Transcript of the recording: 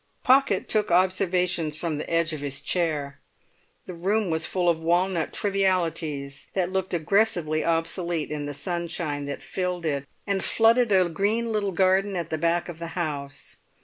Pocket took observations from the edge of his chair. The room was full of walnut trivialities that looked aggressively obsolete in the sunshine that filled it and flooded a green little garden at the back of the house.